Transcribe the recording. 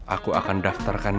aku akan daftarkan dia ke rumah